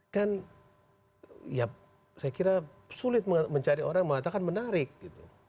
kan ya saya kira sulit mencari orang mengatakan menarik gitu